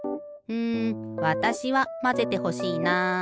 うんわたしはまぜてほしいな。